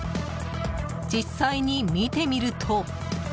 実際に見てみると。